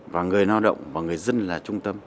và người lao động và người dân là trung tâm